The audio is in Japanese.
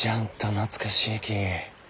懐かしいき。